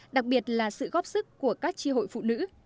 đặc biệt là sự góp sức của các tri hội phụ nữ